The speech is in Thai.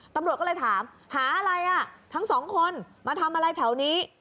ตำรวจก็เลยถามหาอะไรอ่ะทั้งสองคนมาทำอะไรแถวนี้